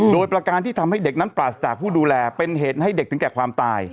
โดยประการที่ทำให้เด็กนั้นปราศจากผู้ดูแลเป็นเหตุให้เด็กถึงแก่ความตาย